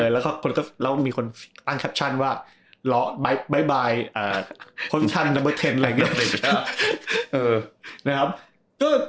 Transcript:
แล้วมีคนตั้งแคปชั่นว่าบ๊ายบายคนชั่นนับ๑๐อะไรเงี้ย